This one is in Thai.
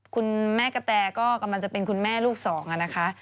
คุณแม่กระแตก็กำลังจะเป็นคุณแม่ลูกสองนะคะ